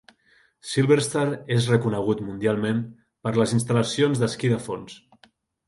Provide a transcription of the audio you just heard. SilverStar és reconegut mundialment per les instal·lacions d'esquí de fons.